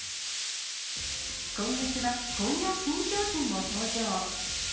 今月はこんな新商品も登場。